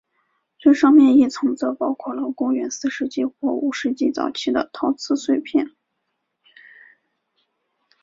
最上面一层则包括了公元四世纪或五世纪早期的陶瓷碎片。